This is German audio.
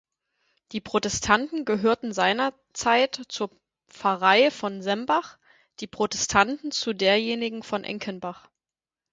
Die Protestanten gehörten seinerzeit zur Pfarrei von Sembach, die Protestanten zu derjenigen von Enkenbach.